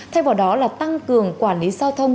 thay vào đó là tăng cường quản lý giao thông